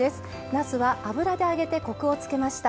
なすは油で揚げてコクをつけました。